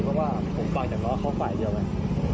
เพราะว่าผมฟังจากรถเข้าไปเดียวไหม